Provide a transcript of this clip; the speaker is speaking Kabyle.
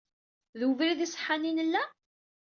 Deg webrid iṣeḥḥan ay nella?